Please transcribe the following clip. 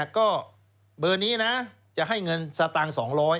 ก็เบอร์นี้นะจะให้เงินสตางค์๒๐๐